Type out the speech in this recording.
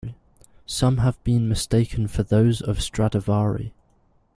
Some have been mistaken for those of Stradivari.